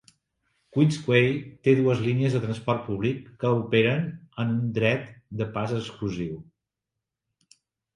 Queens Quay té dues línies de transport públic que operen amb un dret de pas exclusiu.